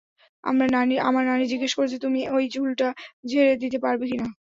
আমার নানী জিজ্ঞেস করছে, তুমি ঐ ঝুলটা ঝেড়ে দিতে পারবে কি না।